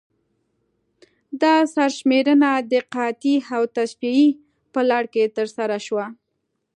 دا سرشمېرنه د قحطۍ او تصفیې په لړ کې ترسره شوه.